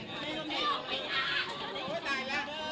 ติดต่อด้วยค่ะ